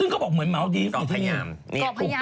เกาะพญาน